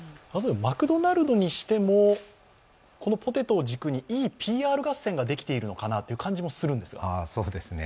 マクドナルドにしてもこのポテトを軸にいいＰＲ合戦ができているのかなという感じもしますが。